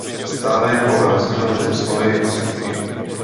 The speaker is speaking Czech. Stále je tu ale rozdíl mezi slovy a skutky.